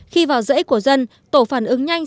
khi vào rẫy của dân tổ phản ứng nhanh